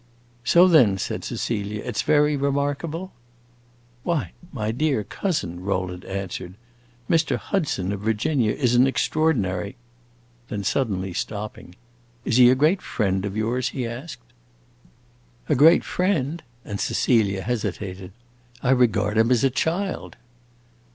"So then," said Cecilia, "it 's very remarkable?" "Why, my dear cousin," Rowland answered, "Mr. Hudson, of Virginia, is an extraordinary " Then suddenly stopping: "Is he a great friend of yours?" he asked. "A great friend?" and Cecilia hesitated. "I regard him as a child!"